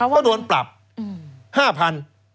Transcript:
ก็โดนปรับ๕๐๐บาท